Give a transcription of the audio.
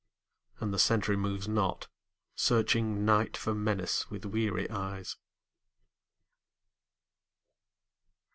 And the sentry moves not, searching Night for menace with weary eyes.